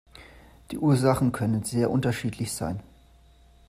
Die Ursachen können sehr unterschiedlich sein.